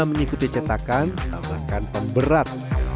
menikuti cetakan tambahkan pemberat